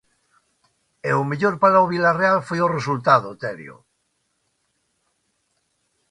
E o mellor para o Vilarreal foi o resultado, Terio.